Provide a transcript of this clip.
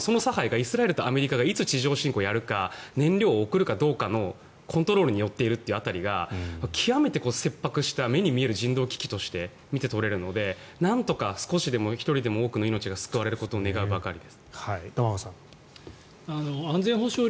しかも、その差配はイスラエルとアメリカがいつ地上侵攻をやるか燃料を送るかどうかのコントロールに寄っているかというのが極めて切迫した目に見える人道危機として見て取れるので何とか１人でも多くの命が救われることを願うばかりです。